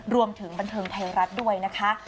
บันเทิงไทยรัฐด้วยนะคะ